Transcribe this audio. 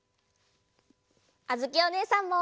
あづきおねえさんも！